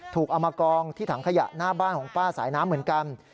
เอามากองที่ถังขยะหน้าบ้านของป้าสายน้ำเหมือนกัน